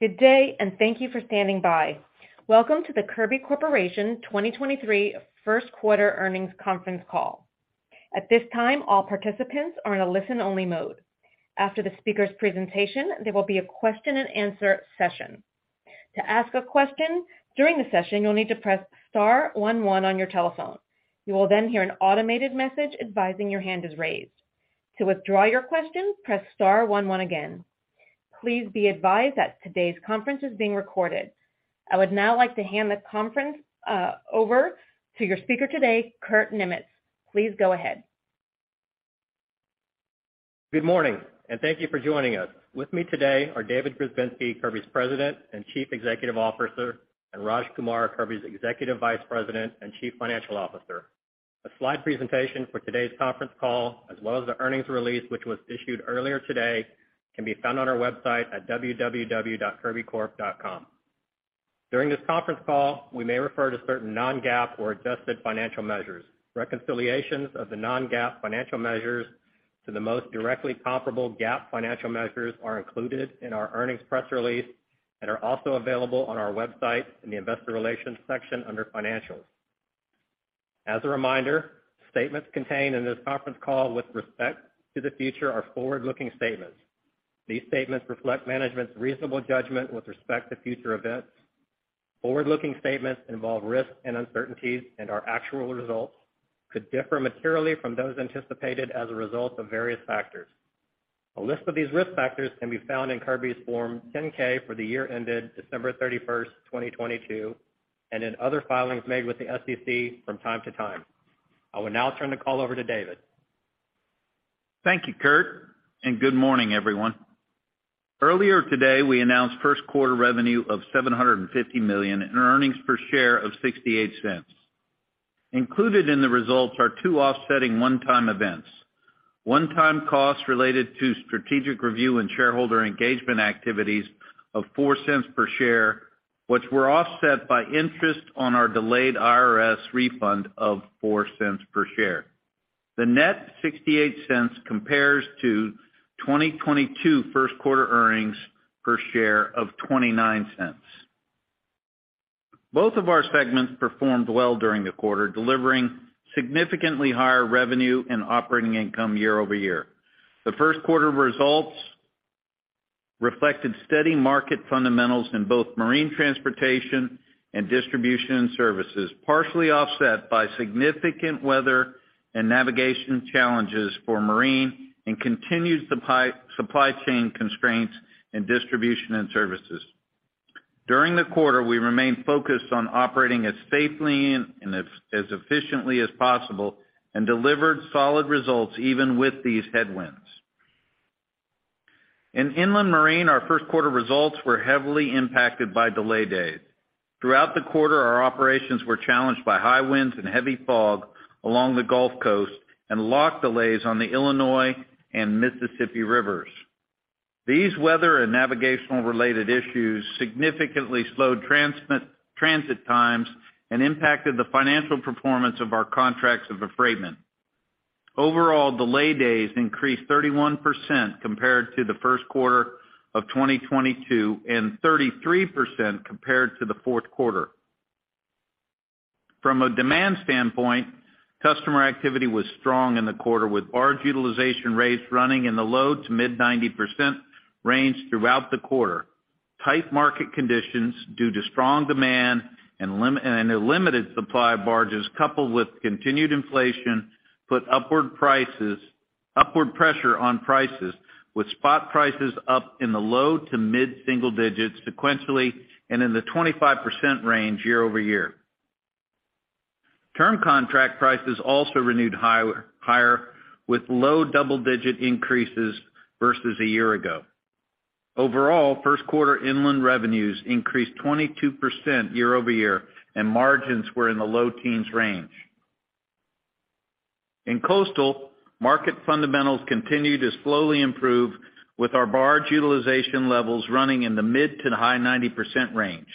Good day. Thank you for standing by. Welcome to the Kirby Corporation 2023 First Quarter Earnings Conference Call. At this time, all participants are in a listen-only mode. After the speaker's presentation, there will be a question-and-answer session. To ask a question during the session, you'll need to press star one one on your telephone. You will then hear an automated message advising your hand is raised. To withdraw your question, press star one one again. Please be advised that today's conference is being recorded. I would now like to hand the conference over to your speaker today, Kurt Niemietz. Please go ahead. Good morning. Thank you for joining us. With me today are David Grzebinski, Kirby's President and Chief Executive Officer, and Raj Kumar, Kirby's Executive Vice President and Chief Financial Officer. A slide presentation for today's conference call, as well as the earnings release, which was issued earlier today, can be found on our website at www.kirbycorp.com. During this conference call, we may refer to certain non-GAAP or adjusted financial measures. Reconciliations of the non-GAAP financial measures to the most directly comparable GAAP financial measures are included in our earnings press release and are also available on our website in the investor relations section under financials. As a reminder, statements contained in this conference call with respect to the future are forward-looking statements. These statements reflect management's reasonable judgment with respect to future events. Forward-looking statements involve risks and uncertainties, and our actual results could differ materially from those anticipated as a result of various factors. A list of these risk factors can be found in Kirby's Form 10-K for the year ended December 31st, 2022, and in other filings made with the SEC from time to time. I will now turn the call over to David. Thank you, Kurt, good morning, everyone. Earlier today, we announced first quarter revenue of $750 million and earnings per share of $0.68. Included in the results are two offsetting one-time events. One-time costs related to strategic review and shareholder engagement activities of $0.04 per share, which were offset by interest on our delayed IRS refund of $0.04 per share. The net $0.68 compares to 2022 first quarter earnings per share of $0.29. Both of our segments performed well during the quarter, delivering significantly higher revenue and operating income year-over-year. The first quarter results reflected steady market fundamentals in both Marine Transportation and Distribution Services, partially offset by significant weather and navigation challenges for marine and continued supply chain constraints in Distribution and Services. During the quarter, we remained focused on operating as safely and as efficiently as possible delivered solid results even with these headwinds. In inland marine, our first quarter results were heavily impacted by delay days. Throughout the quarter, our operations were challenged by high winds and heavy fog along the Gulf Coast and lock delays on the Illinois and Mississippi Rivers. These weather and navigational-related issues significantly slowed transit times and impacted the financial performance of our contracts of affreightment. Overall, delay days increased 31% compared to the first quarter of 2022 and 33% compared to the fourth quarter. From a demand standpoint, customer activity was strong in the quarter, with barge utilization rates running in the low to mid 90% range throughout the quarter. Tight market conditions due to strong demand and a limited supply of barges coupled with continued inflation put upward pressure on prices, with spot prices up in the low-to-mid single digits sequentially and in the 25% range year-over-year. Term contract prices also renewed higher with low double-digit increases versus a year ago. Overall, first quarter inland revenues increased 22% year-over-year and margins were in the low teens range. In coastal, market fundamentals continued to slowly improve with our barge utilization levels running in the mid-to-high 90% range.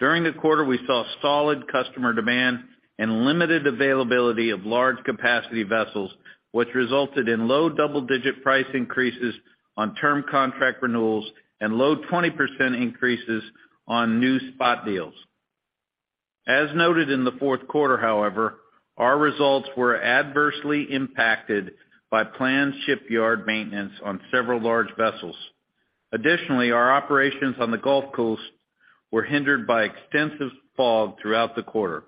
During the quarter, we saw solid customer demand and limited availability of large capacity vessels, which resulted in low double-digit price increases on term contract renewals and low 20% increases on new spot deals. As noted in the fourth quarter, however, our results were adversely impacted by planned shipyard maintenance on several large vessels. Our operations on the Gulf Coast were hindered by extensive fog throughout the quarter.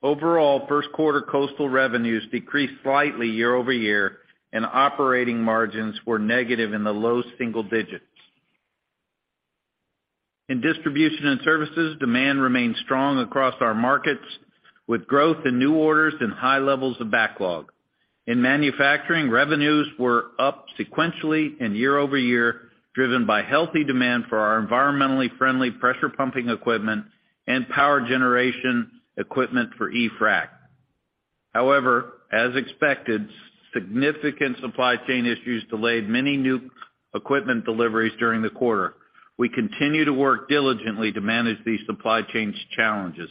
First quarter coastal revenues decreased slightly year-over-year, and operating margins were negative in the low single digits. In Distribution and Services, demand remained strong across our markets, with growth in new orders and high levels of backlog. In manufacturing, revenues were up sequentially and year-over-year, driven by healthy demand for our environmentally friendly pressure pumping equipment and power generation equipment for e-frac. As expected, significant supply chain issues delayed many new equipment deliveries during the quarter. We continue to work diligently to manage these supply chain challenges.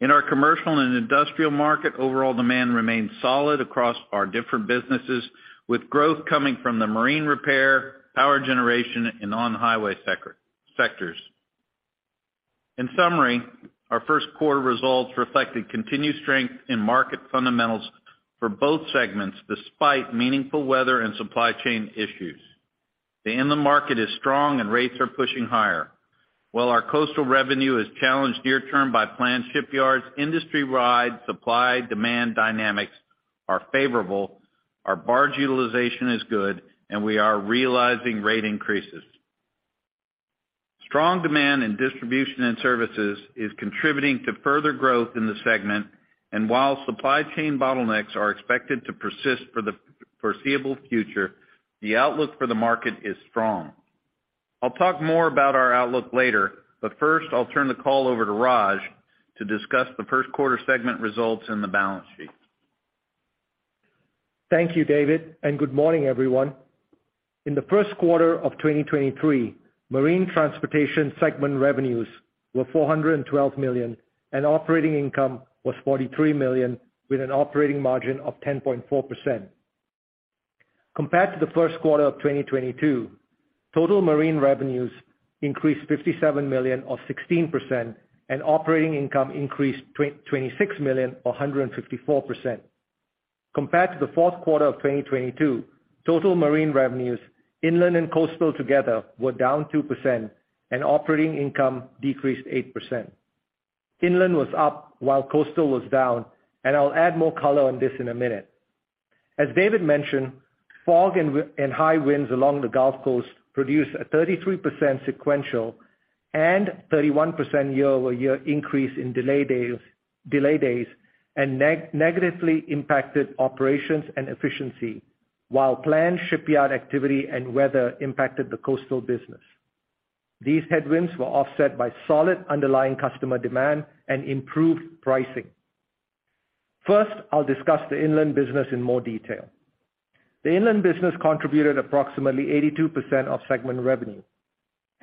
In our commercial and industrial market, overall demand remains solid across our different businesses, with growth coming from the marine repair, power generation, and on-highway sectors. In summary, our first quarter results reflected continued strength in market fundamentals for both segments, despite meaningful weather and supply chain issues. The inland market is strong and rates are pushing higher. While our coastal revenue is challenged near term by planned shipyards, industry-wide supply-demand dynamics are favorable, our barge utilization is good, and we are realizing rate increases. Strong demand in Distribution and Services is contributing to further growth in the segment, and while supply chain bottlenecks are expected to persist for the foreseeable future, the outlook for the market is strong. I'll talk more about our outlook later, but first, I'll turn the call over to Raj to discuss the first quarter segment results and the balance sheet. Thank you, David, and good morning, everyone. In the first quarter of 2023, Marine Transportation segment revenues were $412 million, and operating income was $43 million with an operating margin of 10.4%. Compared to the first quarter of 2022, total marine revenues increased $57 million or 16%, and operating income increased $26 million or 154%. Compared to the fourth quarter of 2022, total marine revenues, inland and coastal together, were down 2%, and operating income decreased 8%. Inland was up while coastal was down, and I'll add more color on this in a minute. As David mentioned, fog and high winds along the Gulf Coast produced a 33% sequential and 31% year-over-year increase in delay days, and negatively impacted operations and efficiency, while planned shipyard activity and weather impacted the coastal business. These headwinds were offset by solid underlying customer demand and improved pricing. First, I'll discuss the inland business in more detail. The inland business contributed approximately 82% of segment revenue.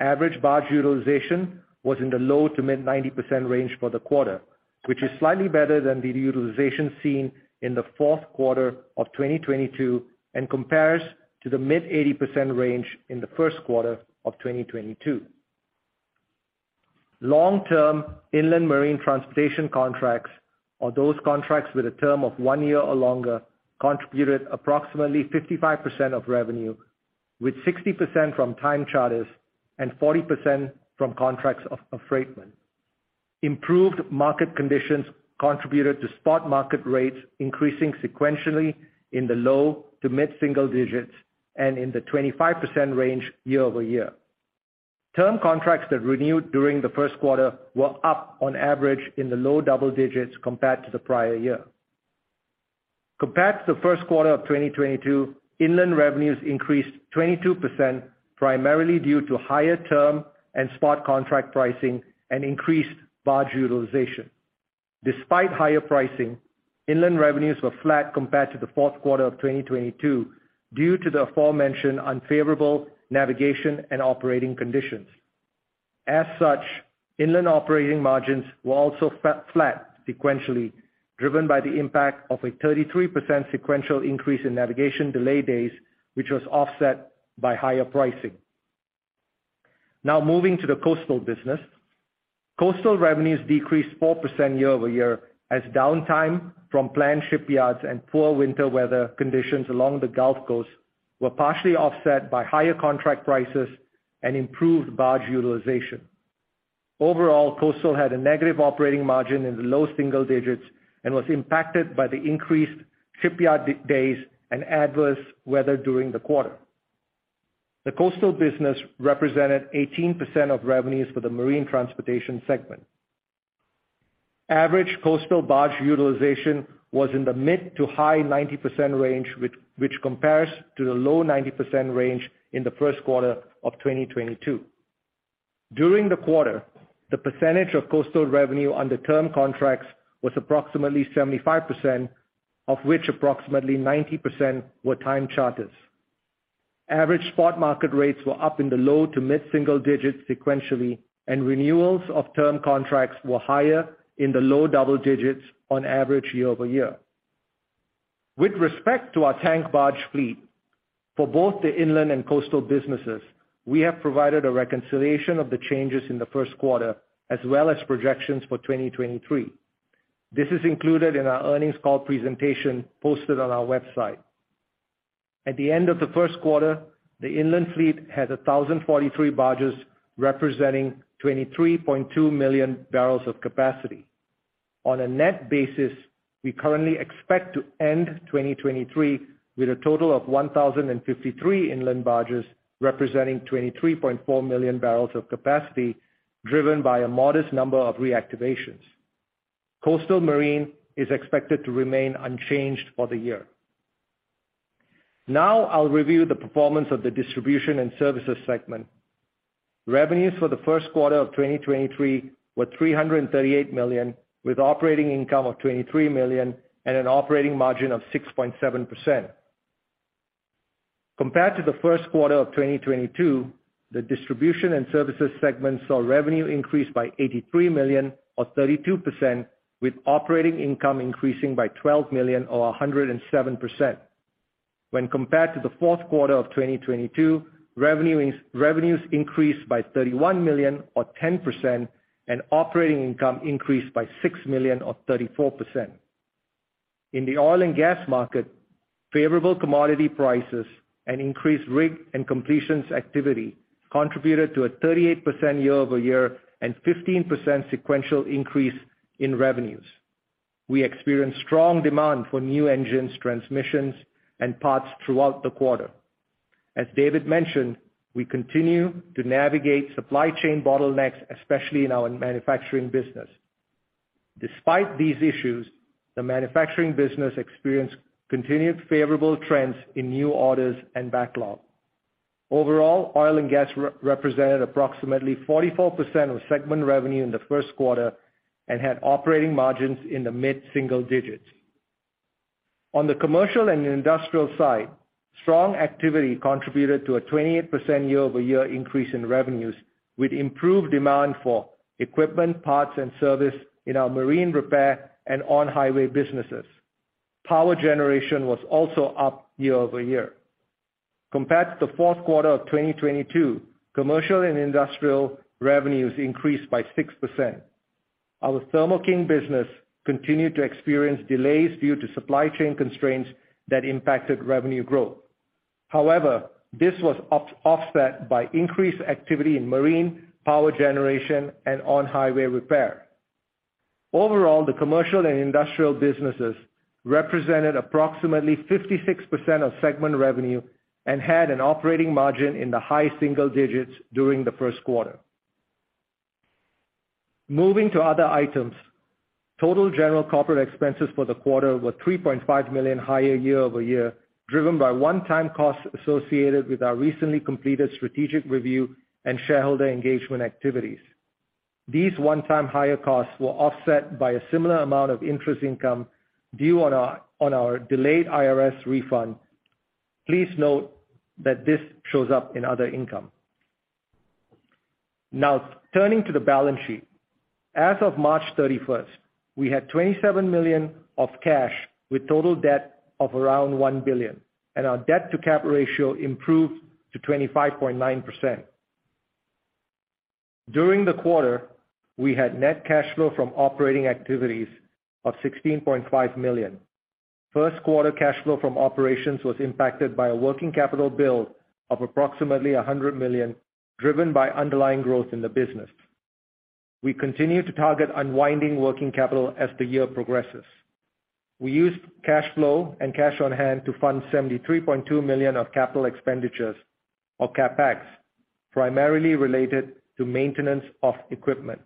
Average barge utilization was in the low to mid 90% range for the quarter, which is slightly better than the utilization seen in the fourth quarter of 2022 and compares to the mid-80% range in the first quarter of 2022. Long-term inland Marine Transportation contracts or those contracts with a term of one year or longer contributed approximately 55% of revenue, with 60% from time charters and 40% from contracts of affreightment. Improved market conditions contributed to spot market rates increasing sequentially in the low to mid-single digits and in the 25% range year-over-year. Term contracts that renewed during the first quarter were up on average in the low double digits compared to the prior year. Compared to the first quarter of 2022, inland revenues increased 22%, primarily due to higher term and spot contract pricing and increased barge utilization. Despite higher pricing, inland revenues were flat compared to the fourth quarter of 2022 due to the aforementioned unfavorable navigation and operating conditions. Inland operating margins were also flat sequentially, driven by the impact of a 33% sequential increase in navigation delay days, which was offset by higher pricing. Moving to the coastal business. Coastal revenues decreased 4% year-over-year as downtime from planned shipyards and poor winter weather conditions along the Gulf Coast were partially offset by higher contract prices and improved barge utilization. Coastal had a negative operating margin in the low single digits and was impacted by the increased shipyard days and adverse weather during the quarter. The coastal business represented 18% of revenues for the Marine Transportation segment. Average coastal barge utilization was in the mid to high 90% range, which compares to the low 90% range in the first quarter of 2022. During the quarter, the percentage of coastal revenue under term contracts was approximately 75%, of which approximately 90% were time charters. Renewals of term contracts were higher in the low double digits on average year-over-year. With respect to our tank barge fleet, for both the inland and coastal businesses, we have provided a reconciliation of the changes in the first quarter as well as projections for 2023. This is included in our earnings call presentation posted on our website. At the end of the first quarter, the inland fleet had 1,043 barges, representing 23.2 million barrels of capacity. On a net basis, we currently expect to end 2023 with a total of 1,053 inland barges, representing 23.4 million barrels of capacity, driven by a modest number of reactivations. Coastal marine is expected to remain unchanged for the year. I'll review the performance of the Distribution and Services segment. Revenues for the first quarter of 2023 were $338 million, with operating income of $23 million and an operating margin of 6.7%. Compared to the first quarter of 2022, the Distribution and Services segment saw revenue increase by $83 million or 32% with operating income increasing by $12 million or 107%. When compared to the fourth quarter of 2022, revenues increased by $31 million or 10%, and operating income increased by $6 million or 34%. In the oil and gas market, favorable commodity prices and increased rig and completions activity contributed to a 38% year-over-year and 15% sequential increase in revenues. We experienced strong demand for new engines, transmissions, and parts throughout the quarter. As David mentioned, we continue to navigate supply chain bottlenecks, especially in our manufacturing business. Despite these issues, the manufacturing business experienced continued favorable trends in new orders and backlog. Oil and gas re-represented approximately 44% of segment revenue in the first quarter and had operating margins in the mid-single digits. On the commercial and industrial side, strong activity contributed to a 28% year-over-year increase in revenues with improved demand for equipment, parts, and service in our marine repair and on-highway businesses. Power generation was also up year-over-year. Compared to the fourth quarter of 2022, commercial and industrial revenues increased by 6%. Our Thermo King business continued to experience delays due to supply chain constraints that impacted revenue growth. This was offset by increased activity in marine, power generation, and on-highway repair. Overall, the commercial and industrial businesses represented approximately 56% of segment revenue and had an operating margin in the high single digits during the first quarter. Moving to other items. Total general corporate expenses for the quarter were $3.5 million higher year-over-year, driven by one-time costs associated with our recently completed strategic review and shareholder engagement activities. These one-time higher costs were offset by a similar amount of interest income due on our delayed IRS refund. Please note that this shows up in other income. Turning to the balance sheet. As of March 31st, we had $27 million of cash with total debt of around $1 billion. Our debt-to-cap ratio improved to 25.9%. During the quarter, we had net cash flow from operating activities of $16.5 million. First quarter cash flow from operations was impacted by a working capital build of approximately $100 million, driven by underlying growth in the business. We continue to target unwinding working capital as the year progresses. We used cash flow and cash on hand to fund $73.2 million of capital expenditures or CapEx, primarily related to maintenance of equipment.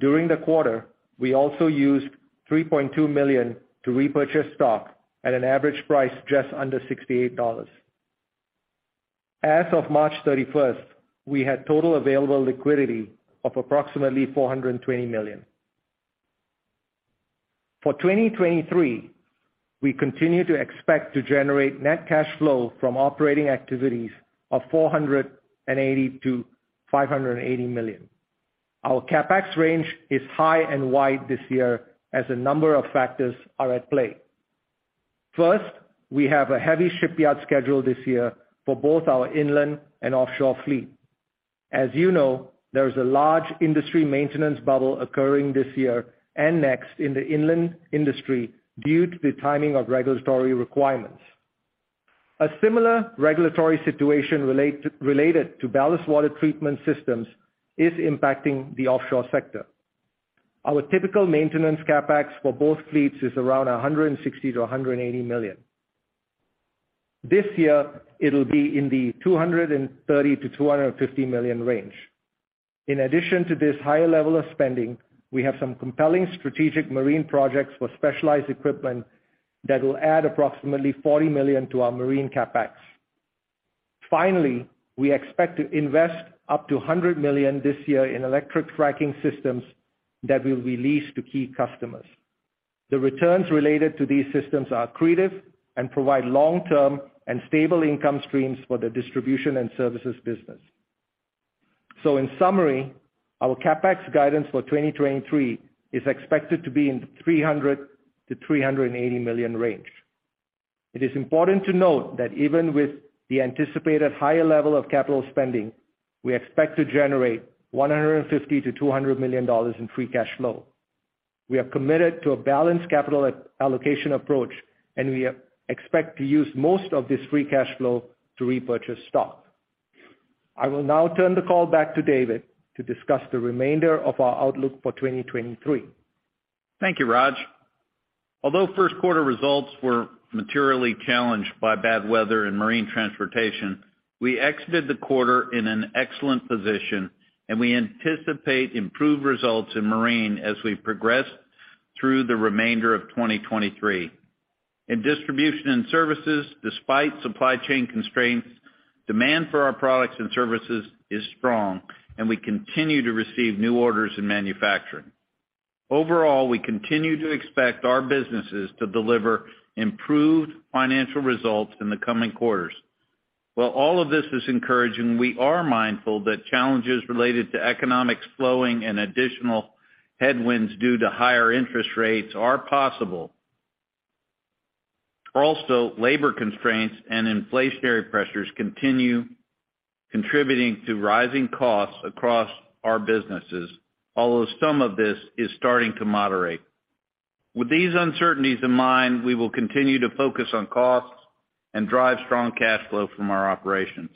During the quarter, we also used $3.2 million to repurchase stock at an average price just under $68. As of March 31st, we had total available liquidity of approximately $420 million. For 2023, we continue to expect to generate net cash flow from operating activities of $480 million-$580 million. Our CapEx range is high and wide this year as a number of factors are at play. First, we have a heavy shipyard schedule this year for both our inland and offshore fleet. As you know, there is a large industry maintenance bubble occurring this year and next in the inland industry due to the timing of regulatory requirements. A similar regulatory situation related to ballast water treatment systems is impacting the offshore sector. Our typical maintenance CapEx for both fleets is around $160 million-$180 million. This year, it'll be in the $230 million-$250 million range. In addition to this higher level of spending, we have some compelling strategic marine projects for specialized equipment that will add approximately $40 million to our marine CapEx. Finally, we expect to invest up to $100 million this year in electric fracking systems that we'll release to key customers. The returns related to these systems are accretive and provide long-term and stable income streams for the Distribution and Services business. In summary, our CapEx guidance for 2023 is expected to be in the $300 million-$380 million range. It is important to note that even with the anticipated higher level of capital spending, we expect to generate $150 million-$200 million in free cash flow. We are committed to a balanced capital allocation approach, and we expect to use most of this free cash flow to repurchase stock. I will now turn the call back to David to discuss the remainder of our outlook for 2023. Thank you, Raj. Although first quarter results were materially challenged by bad weather and Marine Transportation, we exited the quarter in an excellent position, and we anticipate improved results in marine as we progress through the remainder of 2023. In Distribution and Services, despite supply chain constraints, demand for our products and services is strong, and we continue to receive new orders in manufacturing. Overall, we continue to expect our businesses to deliver improved financial results in the coming quarters. While all of this is encouraging, we are mindful that challenges related to economics slowing and additional headwinds due to higher interest rates are possible. Also, labor constraints and inflationary pressures continue contributing to rising costs across our businesses, although some of this is starting to moderate. With these uncertainties in mind, we will continue to focus on costs and drive strong cash flow from our operations.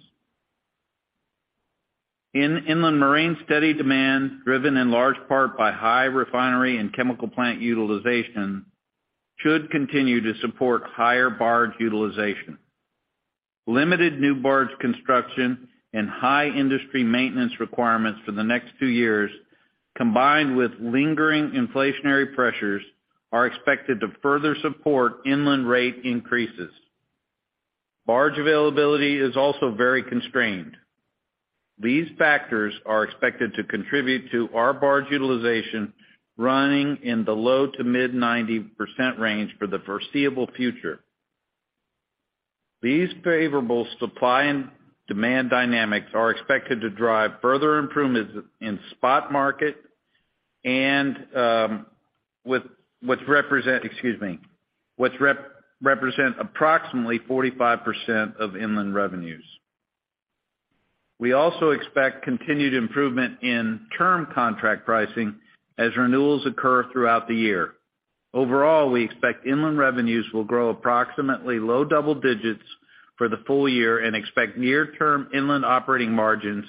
In inland marine, steady demand, driven in large part by high refinery and chemical plant utilization, should continue to support higher barge utilization. Limited new barge construction and high industry maintenance requirements for the next two years, combined with lingering inflationary pressures, are expected to further support inland rate increases. Barge availability is also very constrained. These factors are expected to contribute to our barge utilization running in the low to mid 90% range for the foreseeable future. These favorable supply and demand dynamics are expected to drive further improvements in spot market and with, which represent approximately 45% of inland revenues. We also expect continued improvement in term contract pricing as renewals occur throughout the year. Overall, we expect inland revenues will grow approximately low double digits for the full year and expect near-term inland operating margins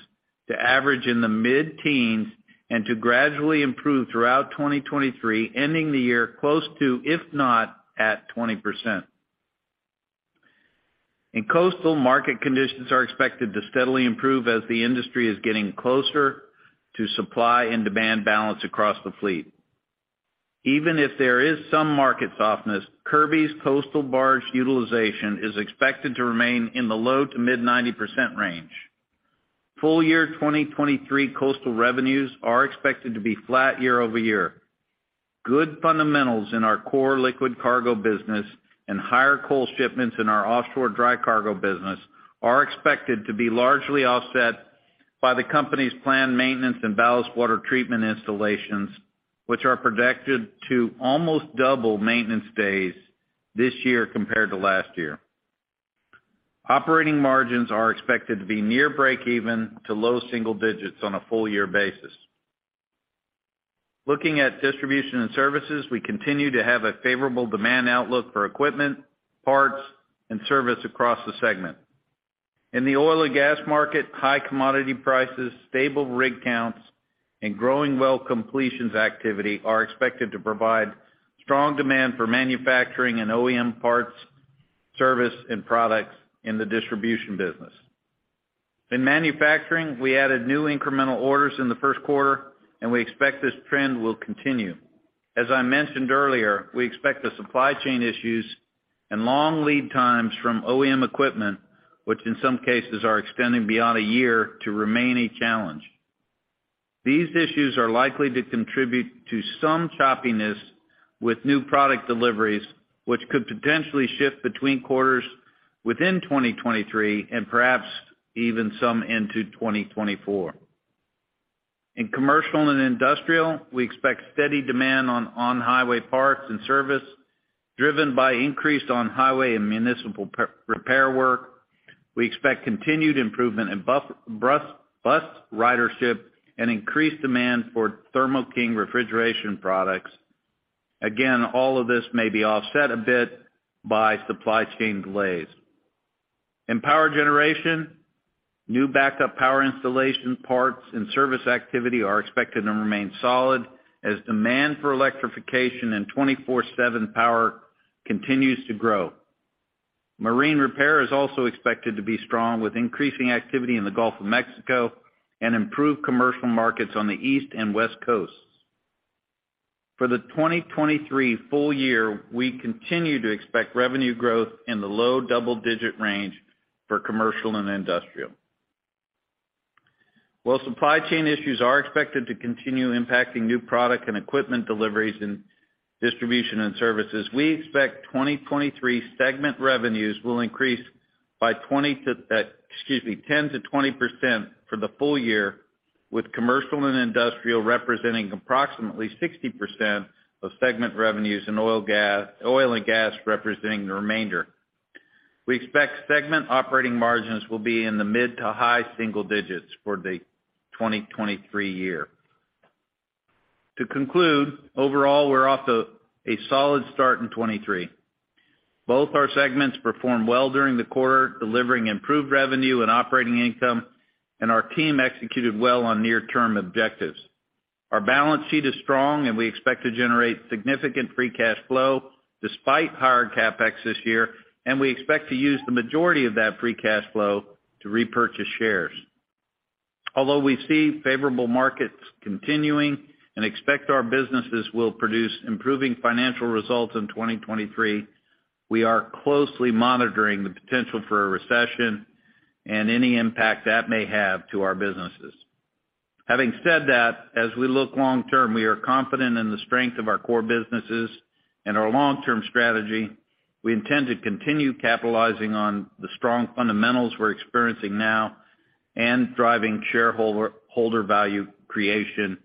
to average in the mid-teens and to gradually improve throughout 2023, ending the year close to, if not at, 20%. In coastal, market conditions are expected to steadily improve as the industry is getting closer to supply and demand balance across the fleet. Even if there is some market softness, Kirby's coastal barge utilization is expected to remain in the low to mid 90% range. Full year 2023 coastal revenues are expected to be flat year-over-year. Good fundamentals in our core liquid cargo business and higher coal shipments in our offshore dry cargo business are expected to be largely offset by the company's planned maintenance and ballast water treatment installations, which are projected to almost double maintenance days this year compared to last year. Operating margins are expected to be near breakeven to low single digits on a full year basis. Looking at Distribution and Services, we continue to have a favorable demand outlook for equipment, parts, and service across the segment. In the oil and gas market, high commodity prices, stable rig counts, and growing well completions activity are expected to provide strong demand for manufacturing and OEM parts, service, and products in the distribution business. In manufacturing, we added new incremental orders in the first quarter, and we expect this trend will continue. As I mentioned earlier, we expect the supply chain issues and long lead times from OEM equipment, which in some cases are extending beyond a year, to remain a challenge. These issues are likely to contribute to some choppiness with new product deliveries, which could potentially shift between quarters within 2023 and perhaps even some into 2024. In commercial and industrial, we expect steady demand on on-highway parts and service, driven by increased on-highway and municipal repair work. We expect continued improvement in bus ridership and increased demand for Thermo King refrigeration products. All of this may be offset a bit by supply chain delays. In power generation, new backup power installation parts and service activity are expected to remain solid as demand for electrification and 24/7 power continues to grow. Marine repair is also expected to be strong, with increasing activity in the Gulf of Mexico and improved commercial markets on the East and West Coasts. For the 2023 full year, we continue to expect revenue growth in the low double-digit range for commercial and industrial. While supply chain issues are expected to continue impacting new product and equipment deliveries in Distribution and Services, we expect 2023 segment revenues will increase by 10%-20% for the full year, with commercial and industrial representing approximately 60% of segment revenues and oil and gas representing the remainder. We expect segment operating margins will be in the mid to high single digits for the 2023 year. To conclude, overall, we're off to a solid start in 2023. Both our segments performed well during the quarter, delivering improved revenue and operating income, and our team executed well on near-term objectives. Our balance sheet is strong, and we expect to generate significant free cash flow despite higher CapEx this year, and we expect to use the majority of that free cash flow to repurchase shares. Although we see favorable markets continuing and expect our businesses will produce improving financial results in 2023, we are closely monitoring the potential for a recession and any impact that may have to our businesses. Having said that, as we look long term, we are confident in the strength of our core businesses and our long-term strategy. We intend to continue capitalizing on the strong fundamentals we're experiencing now and driving shareholder value creation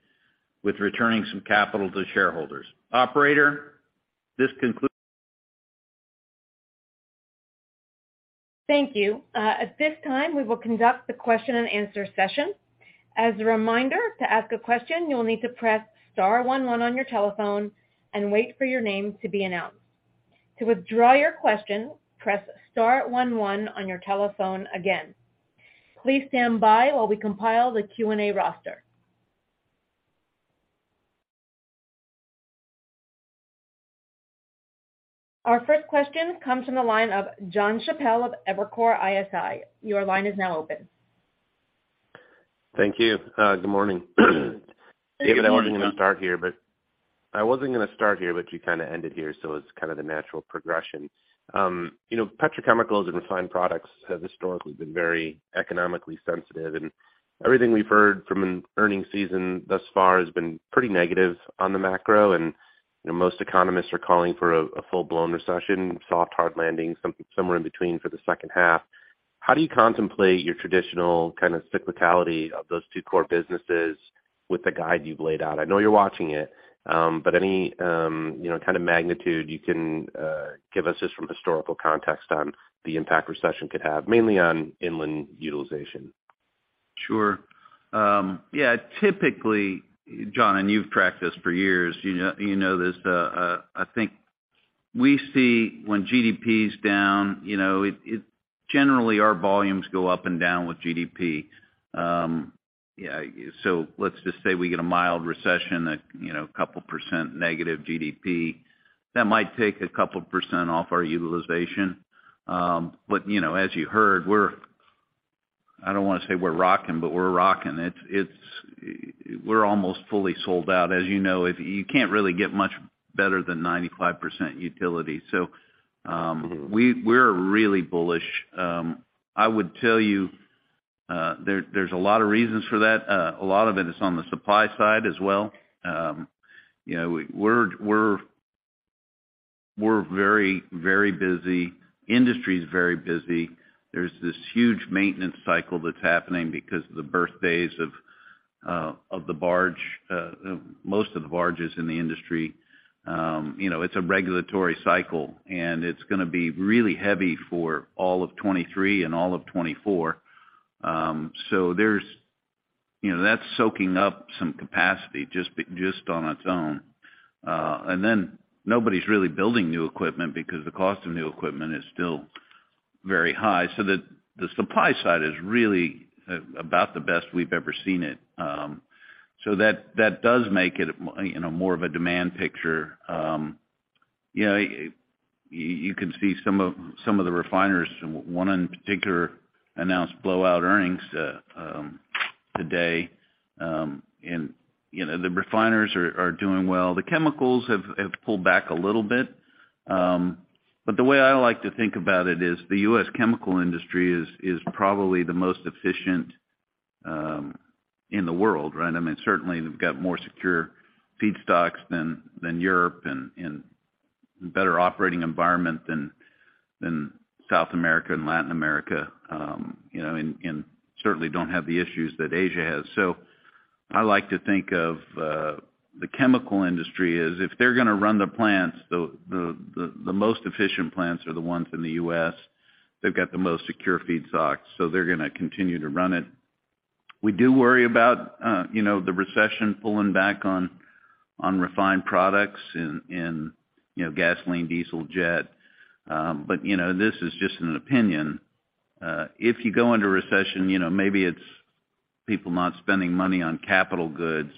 with returning some capital to shareholders. Operator, this concludes. Thank you. At this time, we will conduct the question-and-answer session. As a reminder, to ask a question, you'll need to press star one one on your telephone and wait for your name to be announced. To withdraw your question, press star one one on your telephone again. Please stand by while we compile the Q&A roster. Our first question comes from the line of John Chappell of Evercore ISI. Your line is now open. Thank you. Good morning. Good morning, John. David, I wasn't gonna start here, but you kind of ended here, so it's kind of the natural progression. You know, petrochemicals and refined products have historically been very economically sensitive, and everything we've heard from an earnings season thus far has been pretty negative on the macro. You know, most economists are calling for a full-blown recession, soft, hard landing, somewhere in between for the second half. How do you contemplate your traditional kind of cyclicality of those two core businesses with the guide you've laid out? I know you're watching it, but any, you know, kind of magnitude you can give us just from historical context on the impact recession could have, mainly on inland utilization? Sure. Yeah, typically, John, you've tracked this for years, you know this, I think we see when GDP is down, you know, it generally, our volumes go up and down with GDP. Yeah, let's just say we get a mild recession that, you know, a couple percent negative GDP. That might take a couple % off our utilization. You know, as you heard, I don't wanna say we're rocking, but we're rocking. It's we're almost fully sold out. As you know, if you can't really get much better than 95% utility. We're really bullish. I would tell you, there's a lot of reasons for that. A lot of it is on the supply side as well. You know, we're very, very busy. Industry is very busy. There's this huge maintenance cycle that's happening because of the birthdays of the barge, most of the barges in the industry. You know, it's a regulatory cycle, it's gonna be really heavy for all of 2023 and all of 2024. There's, you know, that's soaking up some capacity just on its own. Nobody's really building new equipment because the cost of new equipment is still very high. The supply side is really about the best we've ever seen it. That does make it, you know, more of a demand picture. You know, you can see some of the refiners, one in particular, announced blowout earnings today. You know, the refiners are doing well. The chemicals have pulled back a little bit. The way I like to think about it is the U.S. chemical industry is probably the most efficient in the world, right? I mean, certainly they've got more secure feedstocks than Europe and better operating environment than South America and Latin America. You know, and certainly don't have the issues that Asia has. I like to think of the chemical industry is if they're gonna run the plants, the most efficient plants are the ones in the U.S. They've got the most secure feedstocks, so they're gonna continue to run it. We do worry about, you know, the recession pulling back on refined products in, you know, gasoline, diesel, jet. You know, this is just an opinion. If you go into recession, you know, maybe it's people not spending money on capital goods.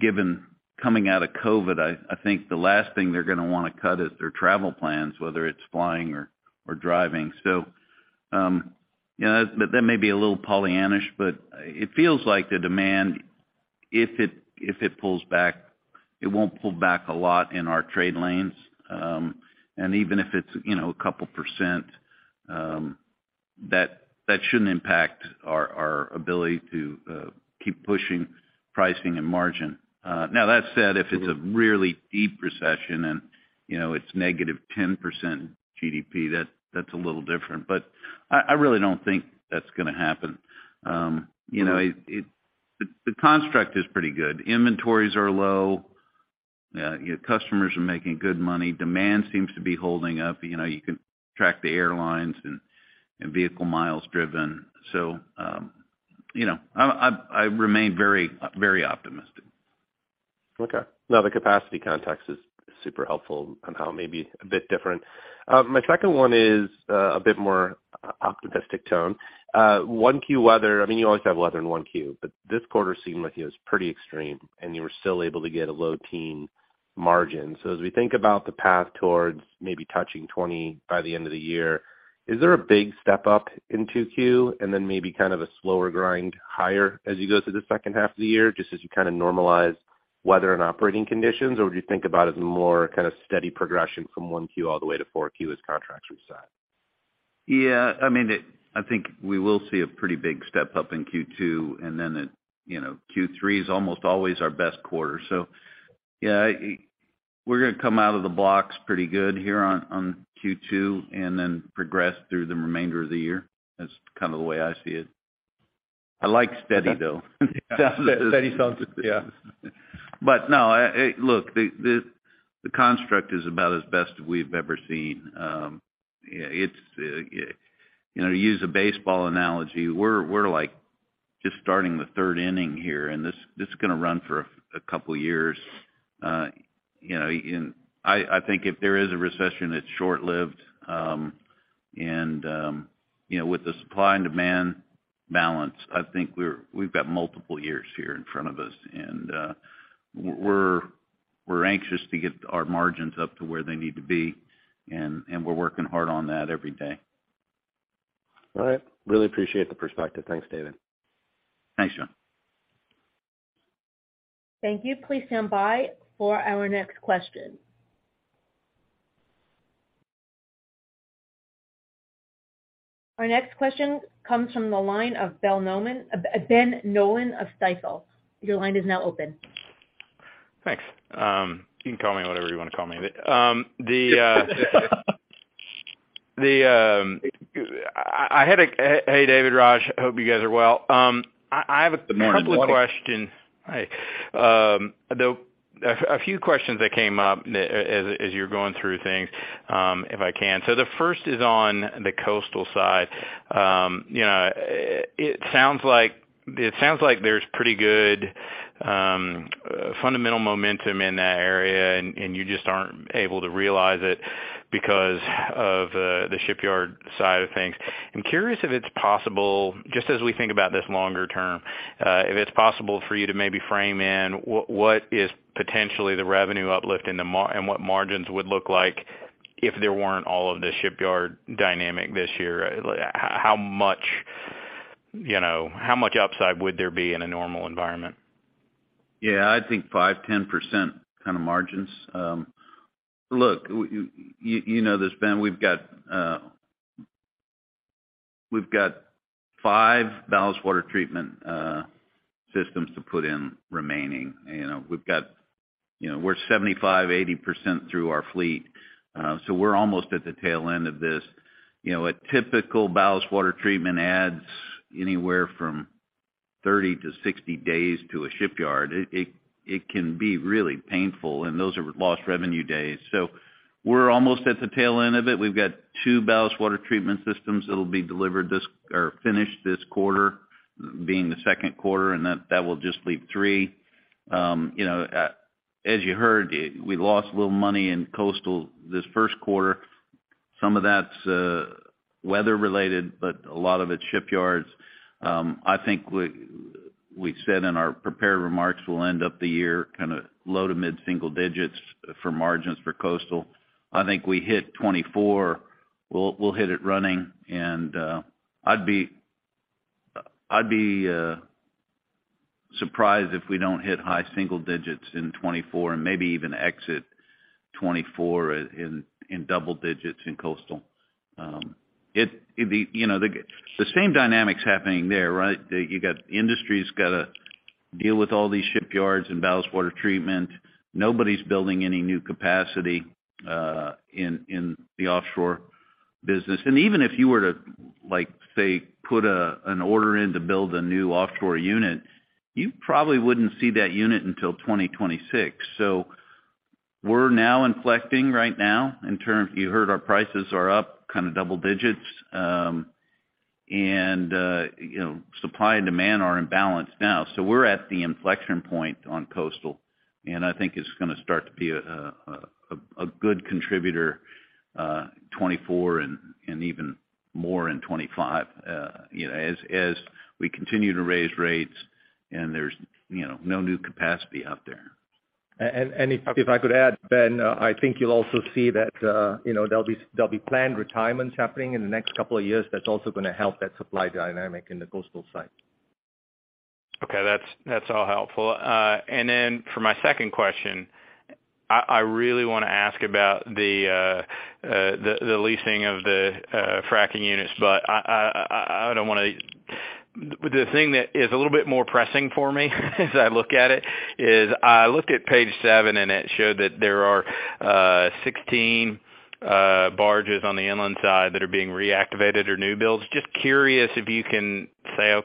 Given coming out of COVID, I think the last thing they're gonna wanna cut is their travel plans, whether it's flying or driving. You know, that may be a little Pollyannish, but it feels like the demand, if it pulls back, it won't pull back a lot in our trade lanes. And even if it's, you know, a couple percent, that shouldn't impact our ability to keep pushing pricing and margin. Now that said, if it's a really deep recession and, you know, it's -10% GDP, that's a little different. I really don't think that's gonna happen. You know, the construct is pretty good. Inventories are low. Customers are making good money. Demand seems to be holding up. You know, you can track the airlines and vehicle miles driven. You know, I remain very, very optimistic. Okay. No, the capacity context is super helpful on how it may be a bit different. My second one is a bit more optimistic tone. 1Q weather, I mean, you always have weather in 1Q, but this quarter seemed like it was pretty extreme, and you were still able to get a low-teen margin. As we think about the path towards maybe touching 2020 by the end of the year, is there a big step up in 2Q and then maybe kind of a slower grind higher as you go through the second half of the year, just as you kind of normalize? Weather and operating conditions, or would you think about it as more kind of steady progression from 1Q all the way to 4Q as contracts reset? Yeah. I mean, I think we will see a pretty big step up in Q2, and then it, you know, Q3 is almost always our best quarter. Yeah, we're gonna come out of the blocks pretty good here on Q2 and then progress through the remainder of the year. That's kind of the way I see it. I like steady though. Steady sounds, yeah. No, look, the construct is about as best we've ever seen. You know, to use a baseball analogy, we're like just starting the third inning here, and this is going to run for a couple of years. You know, I think if there is a recession that's short-lived, and, you know, with the supply and demand balance, I think we've got multiple years here in front of us. We're anxious to get our margins up to where they need to be, and we're working hard on that every day. All right. Really appreciate the perspective. Thanks, David. Thanks, John. Thank you. Please stand by for our next question. Our next question comes from the line of Ben Nolan of Stifel. Your line is now open. Thanks. You can call me whatever you want to call me. Hey, David, Raj. Hope you guys are well. I have a couple questions. Good morning. Hi. A few questions that came up as you're going through things, if I can. The first is on the coastal side. You know, it sounds like, it sounds like there's pretty good fundamental momentum in that area, and you just aren't able to realize it because of the shipyard side of things. I'm curious if it's possible, just as we think about this longer term, if it's possible for you to maybe frame in what is potentially the revenue uplift and what margins would look like if there weren't all of the shipyard dynamic this year. How much, you know, how much upside would there be in a normal environment? I think 5%-10% kind of margins. Look, you know this, Ben, we've got five ballast water treatment systems to put in remaining. You know, we're 75%-80% through our fleet, so we're almost at the tail end of this. You know, a typical ballast water treatment adds anywhere from 30-60 days to a shipyard. It can be really painful, and those are lost revenue days. We're almost at the tail end of it. We've got two ballast water treatment systems that'll be finished this quarter, being the second quarter, and that will just leave three. You know, as you heard, we lost a little money in coastal this first quarter. Some of that's weather-related, but a lot of it's shipyards. I think we said in our prepared remarks, we'll end up the year kind of low to mid-single digits for margins for coastal. I think we hit 2024. We'll hit it running and I'd be surprised if we don't hit high single digits in 2024 and maybe even exit 2024 in double digits in coastal. The, you know, the same dynamic's happening there, right? You got industries gotta deal with all these shipyards and ballast water treatment. Nobody's building any new capacity in the offshore business. Even if you were to, like, say, put an order in to build a new offshore unit, you probably wouldn't see that unit until 2026. We're now inflecting right now in terms. You heard our prices are up kind of double digits. You know, supply and demand are in balance now. We're at the inflection point on coastal, and I think it's going to start to be a good contributor, 2024 and even more in 2025, you know, as we continue to raise rates and there's, you know, no new capacity out there. If I could add, Ben, I think you'll also see that, you know, there'll be planned retirements happening in the next couple of years that's also gonna help that supply dynamic in the coastal side. Okay. That's all helpful. Then for my second question, I really wanna ask about the leasing of the fracking units. The thing that is a little bit more pressing for me as I look at it is I looked at page seven, it showed that there are 16 barges on the inland side that are being reactivated or new builds. Just curious if you can say.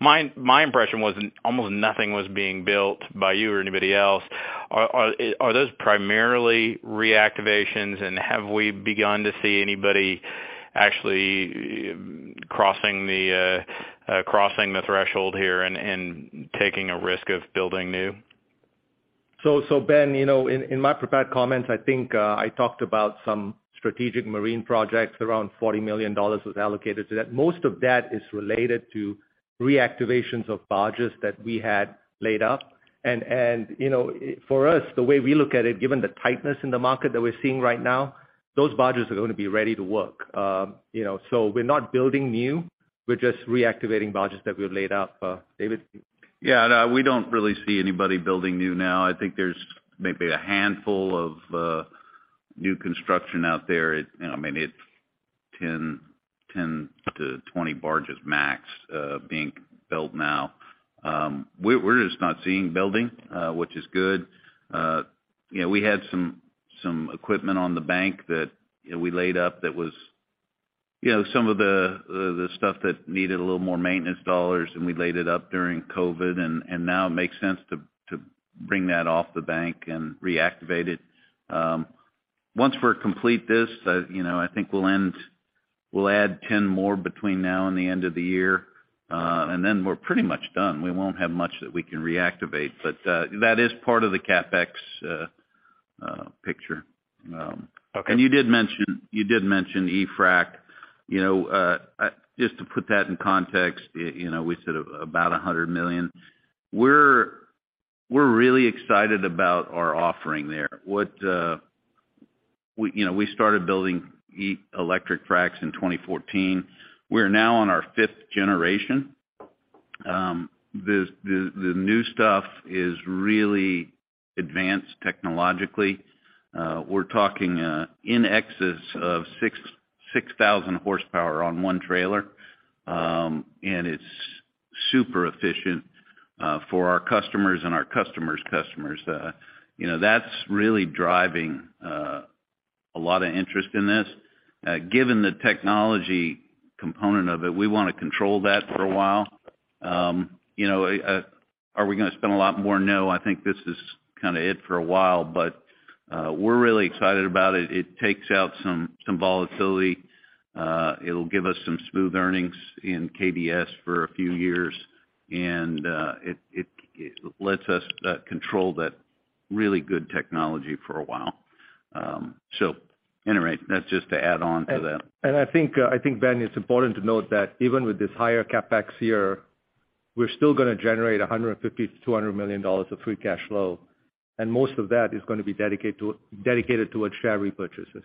My impression was almost nothing was being built by you or anybody else. Are those primarily reactivations, have we begun to see anybody actually crossing the threshold here and taking a risk of building new? Ben, you know, in my prepared comments, I think, I talked about some strategic marine projects, around $40 million was allocated to that. Most of that is related to reactivations of barges that we had laid up. And, you know, for us, the way we look at it, given the tightness in the market that we're seeing right now, those barges are gonna be ready to work. You know, so we're not building new. We're just reactivating barges that we laid up. David? Yeah, no, we don't really see anybody building new now. I think there's maybe a handful of new construction out there. I mean, it's 10-20 barges max being built now. We're just not seeing building, which is good. You know, we had some equipment on the bank that, you know, we laid up that was, you know, some of the stuff that needed a little more maintenance dollars, and we laid it up during COVID, and now it makes sense to bring that off the bank and reactivate it. Once we complete this, you know, I think we'll add 10 more between now and the end of the year, and then we're pretty much done. We won't have much that we can reactivate. That is part of the CapEx picture. Okay. You did mention e-frac. You know, just to put that in context, you know, we said about $100 million. We're really excited about our offering there. What. We, you know, we started building electric fracs in 2014. We're now on our fifth generation. The new stuff is really advanced technologically. We're talking in excess of 6,000 HP on one trailer, and it's super efficient for our customers and our customers' customers. You know, that's really driving a lot of interest in this. Given the technology component of it, we wanna control that for a while. You know, are we gonna spend a lot more? No, I think this is kinda it for a while. We're really excited about it. It takes out some volatility. It'll give us some smooth earnings in KDS for a few years. It lets us control that really good technology for a while. Anyway, that's just to add on to that. I think, Ben, it's important to note that even with this higher CapEx here, we're still gonna generate $150 million-$200 million of free cash flow, and most of that is gonna be dedicated towards share repurchases.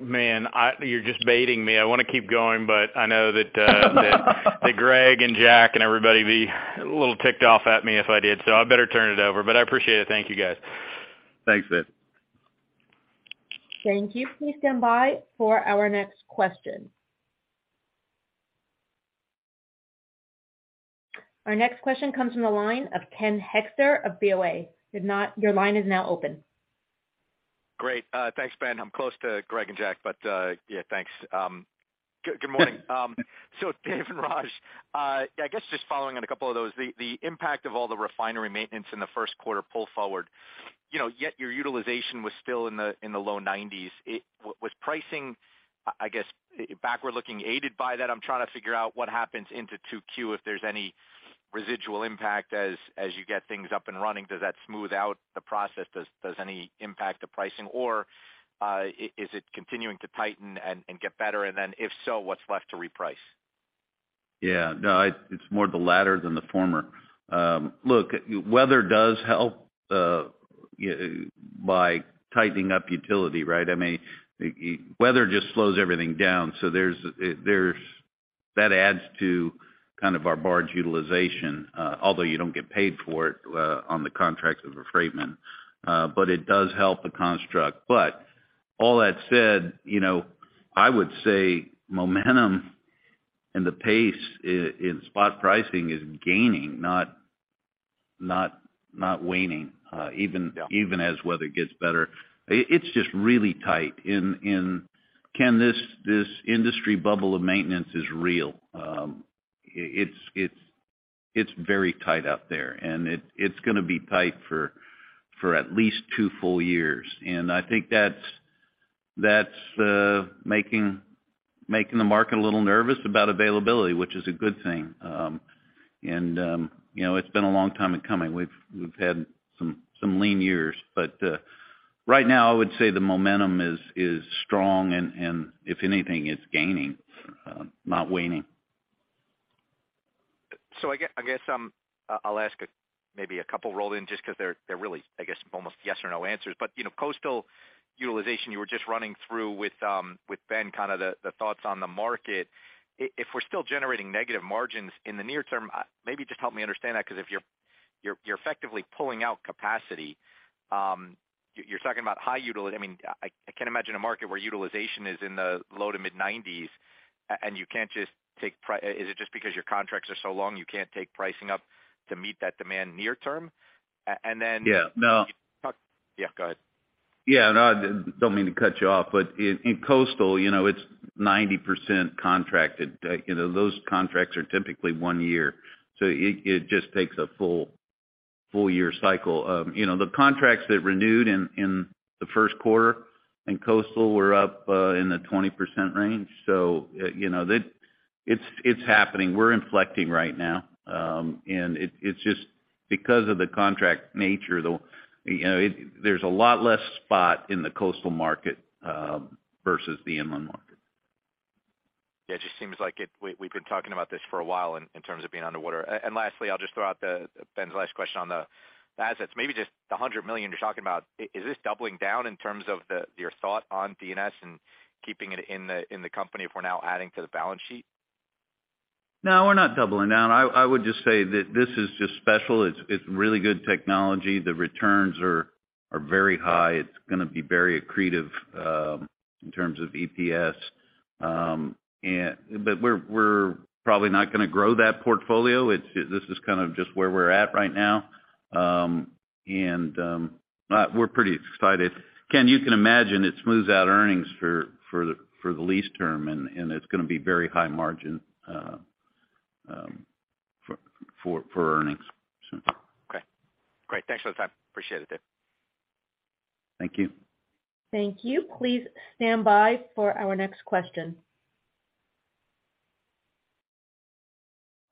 Man, you're just baiting me. I wanna keep going. I know that Greg and Jack and everybody would be a little ticked off at me if I did. I better turn it over. I appreciate it. Thank you, guys. Thanks, Ben. Thank you. Please stand by for our next question. Our next question comes from the line of Ken Hoexter of BoA. If not, your line is now open. Great. Thanks, Ben. I'm close to Greg and Jack, yeah, thanks. Good morning. Dave and Raj, I guess just following on a couple of those, the impact of all the refinery maintenance in the first quarter pull forward, you know, yet your utilization was still in the low 90s. Was pricing, I guess, backward-looking aided by that? I'm trying to figure out what happens into 2Q if there's any residual impact as you get things up and running. Does that smooth out the process? Does any impact to pricing? Is it continuing to tighten and get better? If so, what's left to reprice? Yeah. No, it's more the latter than the former. Look, weather does help by tightening up utility, right? I mean, weather just slows everything down, so that adds to kind of our barge utilization, although you don't get paid for it on the contracts of affreightment, but it does help the construct. All that said, you know, I would say momentum and the pace in spot pricing is gaining, not waning. Yeah. Even as weather gets better. It's just really tight. Ken, this industry bubble of maintenance is real. It's very tight out there, and it's gonna be tight for at least two full years. I think that's making the market a little nervous about availability, which is a good thing. You know, it's been a long time in coming. We've had some lean years. Right now, I would say the momentum is strong and if anything, it's gaining, not waning. I guess, I'll ask, maybe a couple rolled in just 'cause they're really, I guess, almost yes or no answers. You know, coastal utilization, you were just running through with Ben kind of the thoughts on the market. If we're still generating negative margins in the near term, maybe just help me understand that because if you're effectively pulling out capacity, you're talking about high util-- I mean, I can't imagine a market where utilization is in the low to mid-90s and you can't just take pri-- is it just because your contracts are so long, you can't take pricing up to meet that demand near term? Yeah. No. Yeah, go ahead. Yeah, no, I don't mean to cut you off, but in coastal, you know, it's 90% contracted. You know, those contracts are typically one year, so it just takes a full year cycle. You know, the contracts that renewed in the first quarter in coastal were up in the 20% range. You know, it's happening. We're inflecting right now. It's just because of the contract nature, you know, there's a lot less spot in the coastal market versus the inland market. Yeah, it just seems like it, we've been talking about this for a while in terms of being underwater. Lastly, I'll just throw out Ben's last question on the assets. Maybe just the $100 million you're talking about, is this doubling down in terms of your thought on D&S and keeping it in the company if we're now adding to the balance sheet? No, we're not doubling down. I would just say that this is just special. It's really good technology. The returns are very high. It's gonna be very accretive in terms of EPS. We're probably not gonna grow that portfolio. This is kind of just where we're at right now. We're pretty excited. Ken, you can imagine it smooths out earnings for the lease term, and it's gonna be very high margin for earnings. Okay. Great. Thanks for the time. Appreciate it, Dave. Thank you. Thank you. Please stand by for our next question.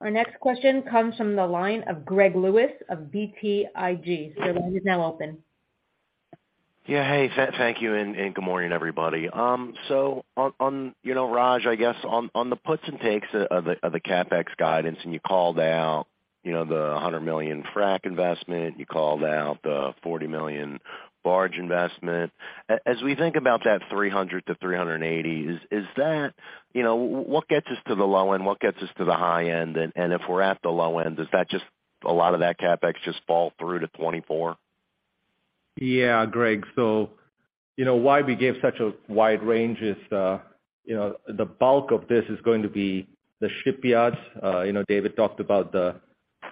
Our next question comes from the line of Greg Lewis of BTIG. Your line is now open. Yeah. Hey, thank you and good morning, everybody. on, you know, Raj, I guess on the puts and takes of the CapEx guidance, You called out, you know, the $100 million frack investment, you called out the $40 million barge investment. As we think about that $300 million-$380 million, is that, you know... What gets us to the low end? What gets us to the high end? If we're at the low end, does that just, a lot of that CapEx just fall through to 2024? Yeah. Greg. You know, why we gave such a wide range is the, you know, the bulk of this is going to be the shipyards. You know, David talked about the,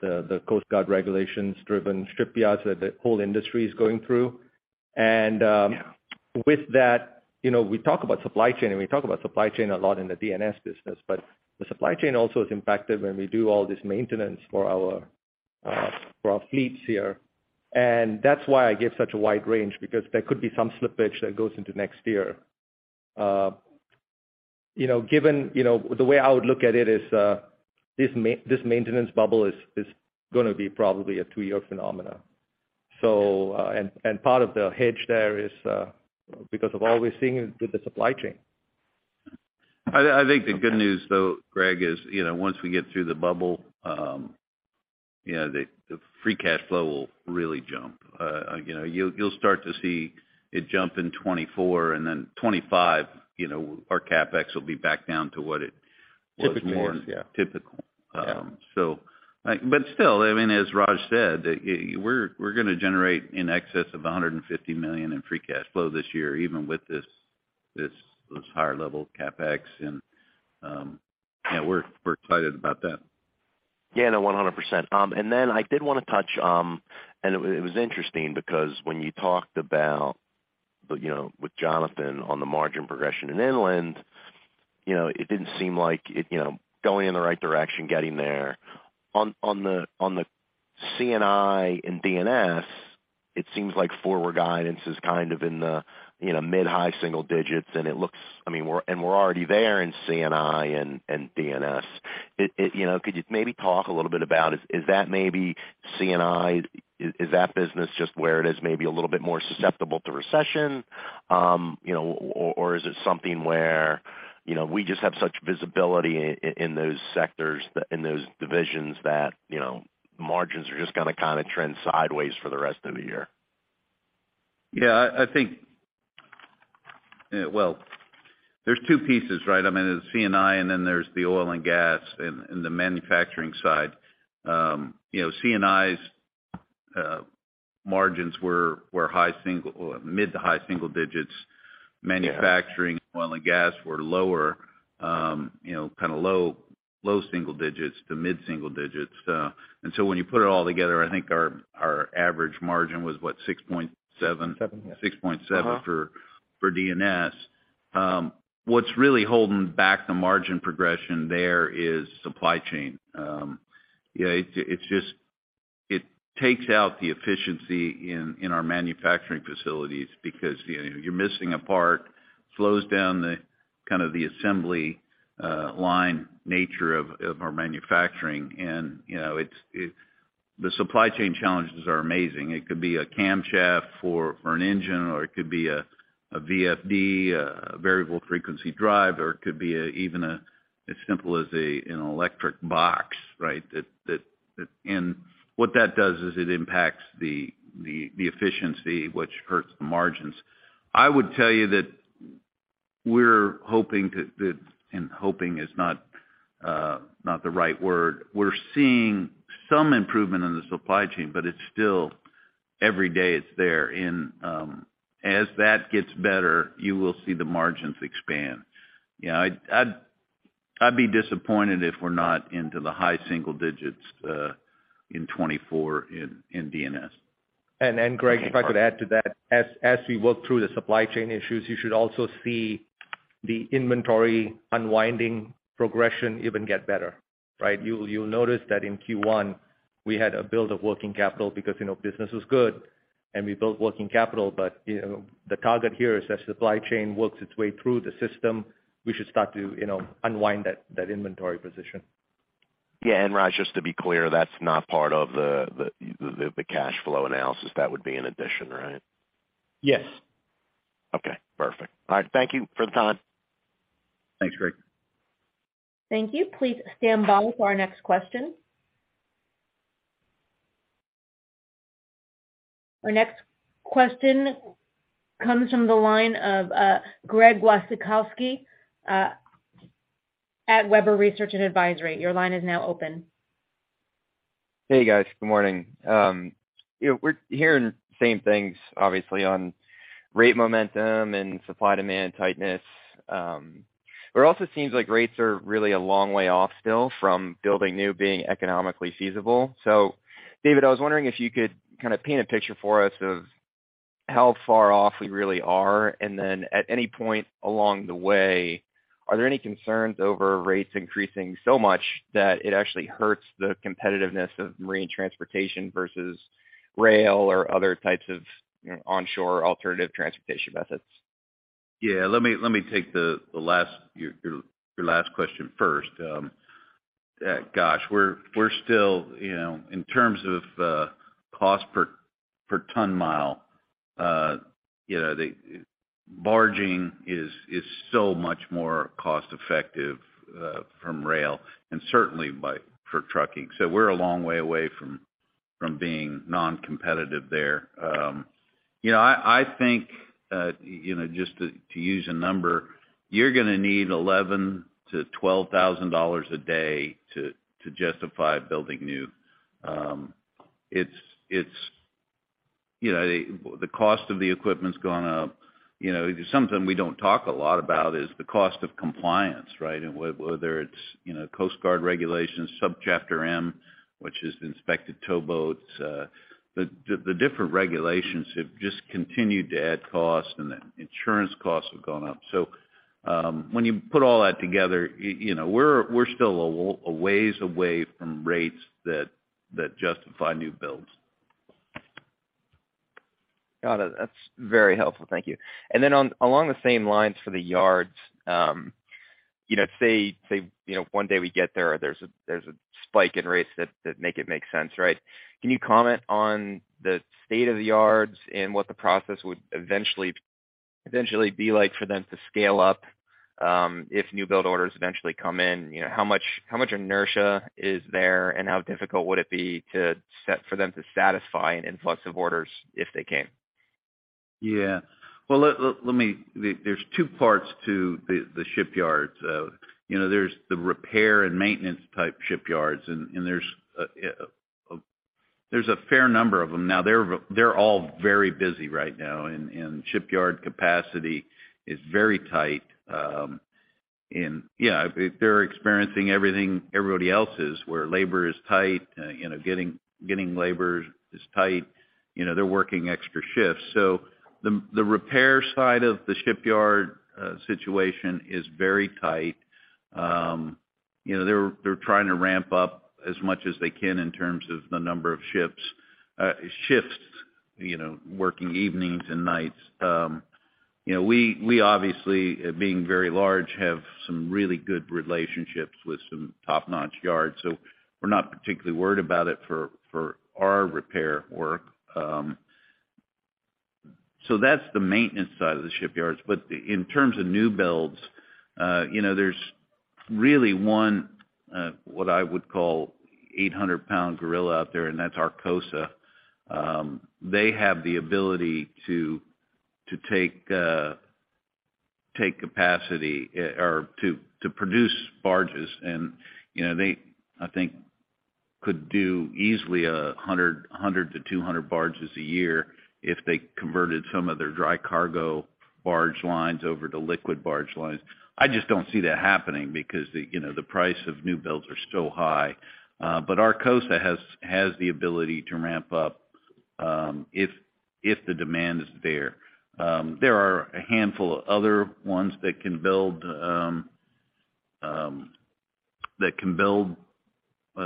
the Coast Guard regulations-driven shipyards that the whole industry is going through. Yeah With that, you know, we talk about supply chain, and we talk about supply chain a lot in the D&S business, but the supply chain also is impacted when we do all this maintenance for our for our fleets here. That's why I give such a wide range because there could be some slippage that goes into next year. You know, given, you know, the way I would look at it is this maintenance bubble is gonna be probably a two-year phenomena. And part of the hedge there is because of all we're seeing with the supply chain. I think the good news though, Greg, is, you know, once we get through the bubble, you know, the free cash flow will really jump. You know, you'll start to see it jump in 2024 and then 2025, you know, our CapEx will be back down to what it was. Typically is. Yeah, typical. Still, as Raj said, we're gonna generate in excess of $150 million in free cash flow this year, even with those higher level CapEx. Yeah, we're excited about that. Yeah, no, 100%. I did wanna touch, and it was, it was interesting because when you talked about, you know, with Jonathan on the margin progression in inland, you know, it didn't seem like it, you know, going in the right direction, getting there. On the C&I and DNS, it seems like forward guidance is kind of in the, you know, mid-high single digits, and it looks, I mean, we're already there in C&I and DNS. It, you know, could you maybe talk a little bit about is that maybe C&I, is that business just where it is maybe a little bit more susceptible to recession? You know, is it something where, you know, we just have such visibility in those sectors, in those divisions that, you know, margins are just gonna kinda trend sideways for the rest of the year? Yeah. I think. Well, there's two pieces, right? I mean, there's C&I and then there's the oil and gas and the manufacturing side. You know, C&I's margins were mid to high single digits. Yeah. Manufacturing oil and gas were lower, you know, kinda low single digits to mid-single digits. When you put it all together, I think our average margin was what? 6.7%? Seven, yeah. 6.7% Uh-huh For DNS. What's really holding back the margin progression there is supply chain. You know, it's just, it takes out the efficiency in our manufacturing facilities because, you know, you're missing a part, slows down the kind of the assembly line nature of our manufacturing. You know, the supply chain challenges are amazing. It could be a camshaft for an engine, or it could be a VFD, a variable frequency drive, or it could be a, even as simple as an electric box, right? That... What that does is it impacts the efficiency, which hurts the margins. I would tell you that hoping is not the right word. We're seeing some improvement in the supply chain, but it's still every day it's there. As that gets better, you will see the margins expand. You know, I'd be disappointed if we're not into the high single digits, in 2024 in DNS. Greg, if I could add to that. As we work through the supply chain issues, you should also see the inventory unwinding progression even get better, right? You'll notice that in Q1, we had a build of working capital because, you know, business was good and we built working capital. You know, the target here is as supply chain works its way through the system, we should start to, you know, unwind that inventory position. Yeah. Raj, just to be clear, that's not part of the cash flow analysis. That would be an addition, right? Yes. Okay. Perfect. All right. Thank you for the time. Thanks, Greg. Thank you. Please stand by for our next question. Our next question comes from the line of, Greg Wasikowski, at Webber Research & Advisory. Your line is now open. Hey, guys. Good morning. You know, we're hearing the same things obviously on rate momentum and supply demand tightness. It also seems like rates are really a long way off still from building new being economically feasible. David, I was wondering if you could kind of paint a picture for us of how far off we really are, and then at any point along the way, are there any concerns over rates increasing so much that it actually hurts the competitiveness of Marine Transportation versus rail or other types of, you know, onshore alternative transportation methods? Yeah. Let me take your last question first. Gosh, we're still, you know, in terms of cost per ton mile, you know, barging is so much more cost effective from rail and certainly for trucking. We're a long way away from being non-competitive there. You know, I think, you know, just to use a number, you're gonna need $11,000-$12,000 a day to justify building new. It's, you know, the cost of the equipment's gone up. You know, something we don't talk a lot about is the cost of compliance, right? Whether it's, you know, Coast Guard regulations, Subchapter M, which is inspected towboats, the different regulations have just continued to add costs, and the insurance costs have gone up. When you put all that together, you know, we're still a ways away from rates that justify new builds. Got it. That's very helpful. Thank you. Along the same lines for the yards, you know, say, you know, one day we get there's a spike in rates that make it make sense, right? Can you comment on the state of the yards and what the process would eventually be like for them to scale up, if new build orders eventually come in? You know, how much inertia is there and how difficult would it be for them to satisfy an influx of orders if they came? Well, let me. There's two parts to the shipyards. You know, there's the repair and maintenance type shipyards, and there's a fair number of them. They're all very busy right now, and shipyard capacity is very tight. Yeah, they're experiencing everything everybody else is, where labor is tight, you know, getting labor is tight. You know, they're working extra shifts. The repair side of the shipyard situation is very tight. You know, they're trying to ramp up as much as they can in terms of the number of shifts, you know, working evenings and nights. You know, we obviously, being very large, have some really good relationships with some top-notch yards, so we're not particularly worried about it for our repair work. That's the maintenance side of the shipyards. In terms of new builds, you know, there's really one, what I would call 800 lbs gorilla out there, and that's Arcosa. They have the ability to take capacity or to produce barges. You know, they, I think could do easily 100-200 barges a year if they converted some of their dry cargo barge lines over to liquid barge lines. I just don't see that happening because the, you know, the price of new builds are so high. Arcosa has the ability to ramp up if the demand is there. There are a handful of other ones that can build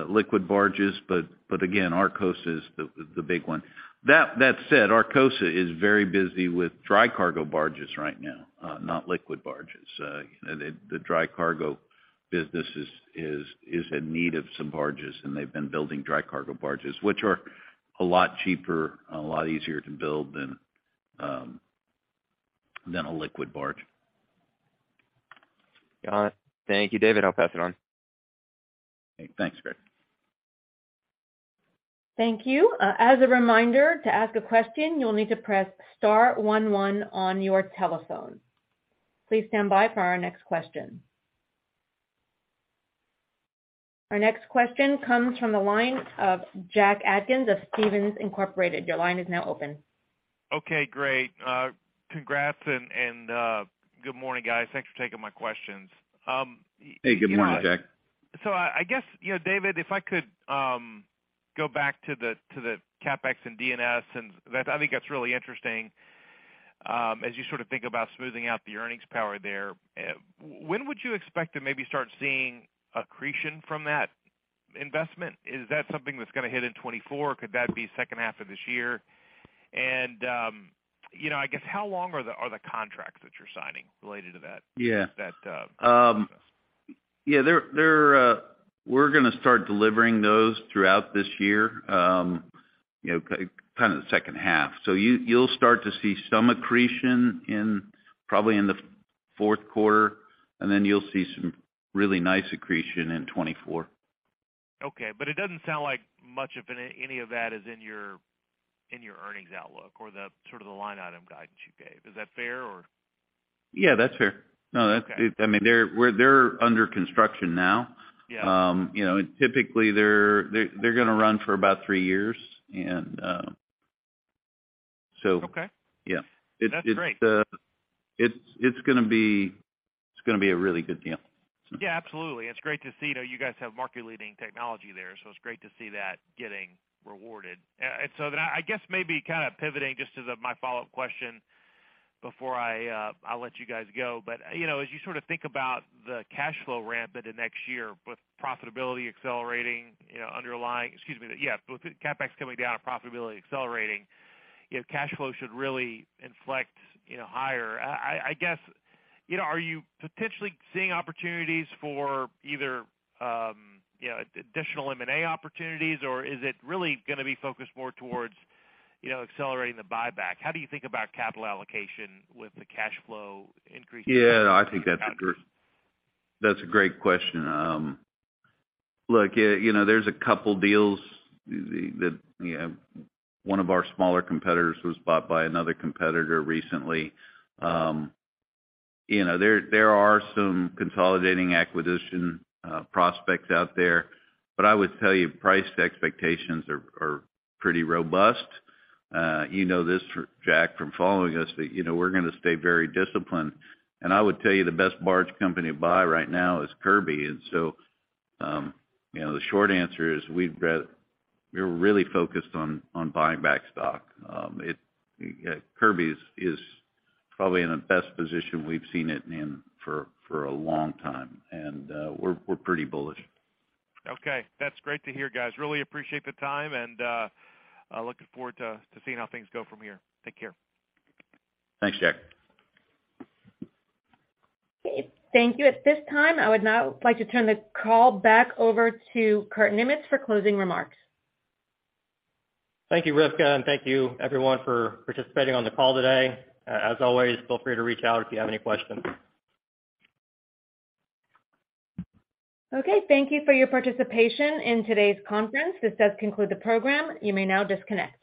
liquid barges, but again, Arcosa is the big one. That said, Arcosa is very busy with dry cargo barges right now, not liquid barges. The dry cargo business is in need of some barges, and they've been building dry cargo barges, which are a lot cheaper, a lot easier to build than a liquid barge. Got it. Thank you, David. I'll pass it on. Okay. Thanks, Greg. Thank you. As a reminder, to ask a question, you'll need to press star one one on your telephone. Please stand by for our next question. Our next question comes from the line of Jack Atkins of Stephens Inc. Your line is now open. Okay, great. congrats and, good morning, guys. Thanks for taking my questions. Hey, good morning, Jack. I guess, you know, David, if I could, go back to the, to the CapEx and DNS, I think that's really interesting, as you sort of think about smoothing out the earnings power there. When would you expect to maybe start seeing accretion from that investment? Is that something that's gonna hit in 2024? Could that be second half of this year? You know, I guess how long are the, are the contracts that you're signing related to that... Yeah That process? Yeah. We're gonna start delivering those throughout this year, kind of the second half. You'll start to see some accretion in, probably in the fourth quarter. You'll see some really nice accretion in 2024. Okay. It doesn't sound like much of any of that is in your, in your earnings outlook or the sort of the line item guidance you gave. Is that fair or? Yeah, that's fair. No. Okay. I mean, they're under construction now. Yeah. You know, typically they're gonna run for about three years. Okay. Yeah. That's great. It's gonna be a really good deal. Yeah, absolutely. It's great to see. You know, you guys have market-leading technology there, so it's great to see that getting rewarded. I guess maybe kind of pivoting just to my follow-up question before I'll let you guys go. You know, as you sort of think about the cash flow ramp into next year with profitability accelerating, you know, Yeah, with CapEx coming down and profitability accelerating, you know, cash flow should really inflect, you know, higher. I guess, you know, are you potentially seeing opportunities for either, you know, additional M&A opportunities, or is it really gonna be focused more towards, you know, accelerating the buyback? How do you think about capital allocation with the cash flow increasing? Yeah, I think that's a great question. Look, you know, there's a couple deals. You know, one of our smaller competitors was bought by another competitor recently. You know, there are some consolidating acquisition prospects out there. I would tell you price expectations are pretty robust. You know this, Jack, from following us, but, you know, we're gonna stay very disciplined. I would tell you the best barge company to buy right now is Kirby. You know, the short answer is we're really focused on buying back stock. Kirby is probably in the best position we've seen it in for a long time, and we're pretty bullish. Okay. That's great to hear, guys. Really appreciate the time, and looking forward to seeing how things go from here. Take care. Thanks, Jack. Okay, thank you. At this time, I would now like to turn the call back over to Kurt Niemietz for closing remarks. Thank you, Rivka, and thank you everyone for participating on the call today. As always, feel free to reach out if you have any questions. Okay. Thank you for your participation in today's conference. This does conclude the program. You may now disconnect.